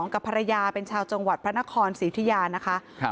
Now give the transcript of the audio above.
กับภรรยาเป็นชาวจังหวัดพระนครศรีอุทิยานะคะ